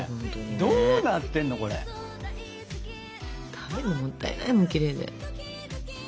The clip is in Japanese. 食べるのもったいないもんきれいで。